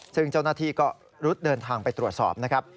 ซึ่งเจ้าหน้าที่ก็รุดเดินทางไปตรวจสอบนะครับ